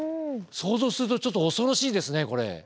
想像するとちょっと恐ろしいですねこれ。